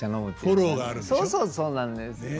そうそうそうなんです。